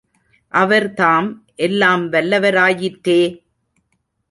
அவர் தாம் எல்லாம் வல்லவராயிற்றே.